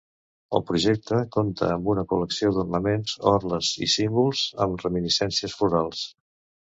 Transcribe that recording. El projecte compte amb una col·lecció d'ornaments, orles i símbols amb reminiscències florals.